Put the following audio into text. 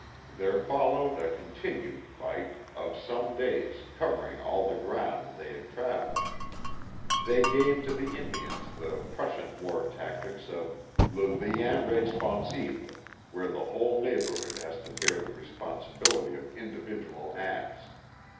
There followed a continued fight of some days covering all the ground they had traveled. They gave to the Indians the Prus sian war tactics of le lien responsable, where the 34 KIT CARSON. whole neighborhood has to bear the responsi bility of individual acts.